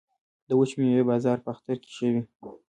د وچې میوې بازار په اختر کې ښه وي